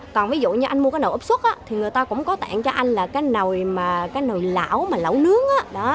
còn ví dụ anh mua cái nồi áp suất thì người ta cũng có tặng cho anh cái nồi lão lão nướng